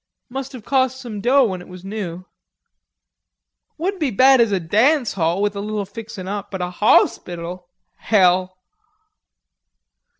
Must have cost some dough when it was noo." "Wouldn't be bad as a dance hall with a little fixin' up, but a hauspital; hell!"